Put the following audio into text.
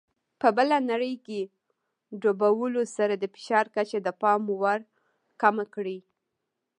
په بله نړۍ کې ډوبولو سره د فشار کچه د پام وړ کمه کړي.